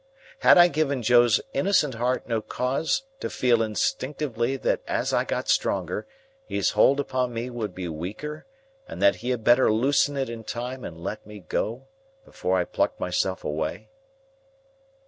Had I given Joe's innocent heart no cause to feel instinctively that as I got stronger, his hold upon me would be weaker, and that he had better loosen it in time and let me go, before I plucked myself away?